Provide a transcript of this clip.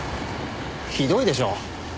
ひどいでしょ？